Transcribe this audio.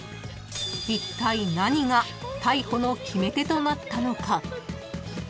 ［いったい何が逮捕の決め手となったのか？］